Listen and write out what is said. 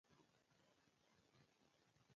زه نه پوهیدم چې د څو پنجرو تر شا بندي یم.